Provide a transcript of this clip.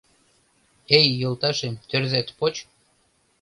Эй, йолташем, тӧрзат поч: